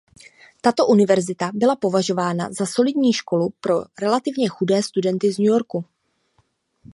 Tato univerzita byla považována za solidní školu pro relativně chudé studenty z New Yorku.